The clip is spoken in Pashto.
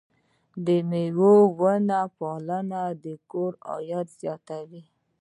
د مېوو ونې پالنه د کورنۍ عاید زیاتوي.